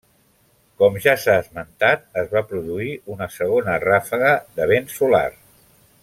Com ja s'ha esmentat es va produir una segona ràfega de vent solar.